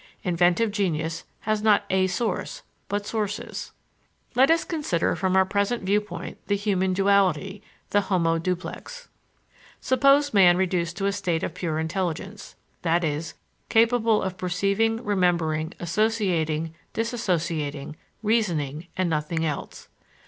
Inventive genius has not a source, but sources. Let us consider from our present viewpoint the human duality, the homo duplex: Suppose man reduced to a state of pure intelligence, that is, capable of perceiving, remembering, associating, dissociating, reasoning, and nothing else.